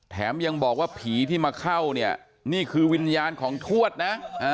แถมยังบอกว่าผีที่มาเข้าเนี่ยนี่คือวิญญาณของทวดนะ